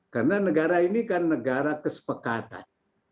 karena negara ini kan negara kesepakatan